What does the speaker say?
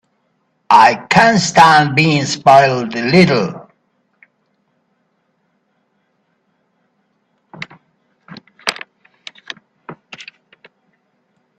I can stand being spoiled a little.